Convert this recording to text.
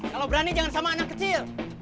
kalau berani jangan sama anak kecil